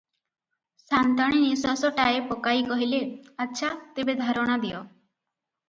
ସା’ନ୍ତାଣୀ ନିଶ୍ଵାସଟାଏ ପକାଇ କହିଲେ – ଆଚ୍ଛା, ତେବେ ଧାରଣା ଦିଅ ।